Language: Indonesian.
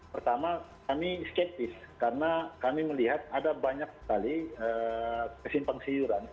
pertama kami skeptis karena kami melihat ada banyak sekali kesimpang siuran